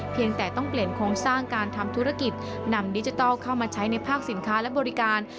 เพียงแต่ต้องเปลี่ยนโครงสร้างการทำธุรกิจนำดิจิทัลเข้ามาใช้ในภาคสินค้าและบริการ